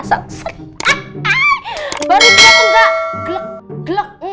cepet putus masuk